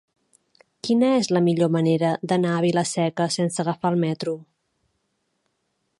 Quina és la millor manera d'anar a Vila-seca sense agafar el metro?